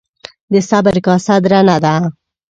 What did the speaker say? د صبر کاسه درنه ده.